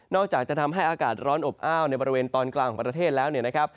อกจากจะทำให้อากาศร้อนอบอ้าวในบริเวณตอนกลางของประเทศแล้วเนี่ยนะครับ